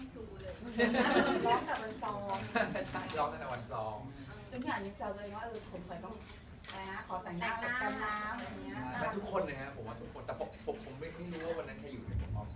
ทุกคนนะครับผมว่าทุกคนแต่ผมคงไม่เพิ่งรู้ว่าวันนั้นใครอยู่พร้อม